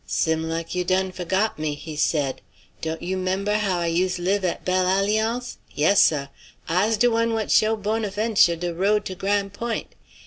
"Sim like you done fo'got me," he said. "Don't you 'member how I use' live at Belle Alliance? Yes, seh. I's de one what show Bonaventure de road to Gran' Point'.